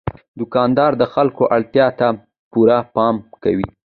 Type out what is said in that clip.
دوکاندار د خلکو اړتیا ته پوره پام کوي.